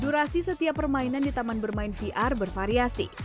durasi setiap permainan di taman bermain vr bervariasi